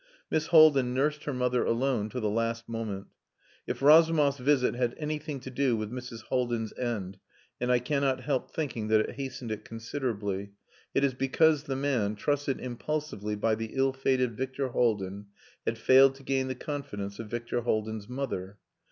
Miss Haldin nursed her mother alone to the last moment. If Razumov's visit had anything to do with Mrs. Haldin's end (and I cannot help thinking that it hastened it considerably), it is because the man, trusted impulsively by the ill fated Victor Haldin, had failed to gain the confidence of Victor Haldin's mother.